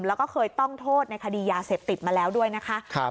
แล้วก็เคยต้องโทษในคดียาเสพติดมาแล้วด้วยนะคะ